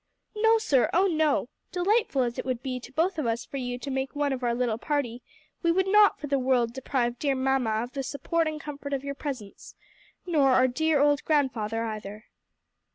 "No, sir, oh no! Delightful as it would be to both of us for you to make one of our little party, we would not for the world deprive dear mamma of the support and comfort of your presence here; nor our dear old grandfather either."